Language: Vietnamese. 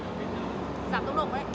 giảm tốc độ đấy